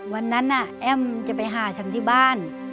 วันนั้นแอ้มจะไปหาฉันที่บ้าน